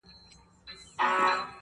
موږه يې ښه وايو پر موږه خو ډير گران دی